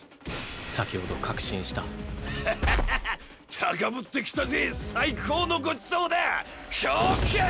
先ほど確信したハハハハッ高ぶってきたぜ最高のごちそうだ冰剣！